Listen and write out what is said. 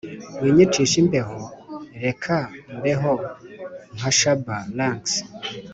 winyicisha imbeho reka mbeho nka shabba ranks